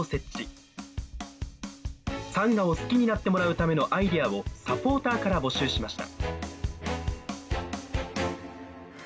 サンガを好きになってもらうためのアイデアをサポーターから募集しました。